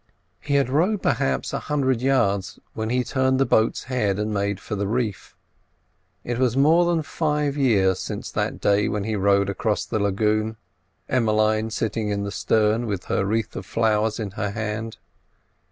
He had rowed, perhaps, a hundred yards when he turned the boat's head and made for the reef. It was more than five years since that day when he rowed across the lagoon, Emmeline sitting in the stern, with her wreath of flowers in her hand.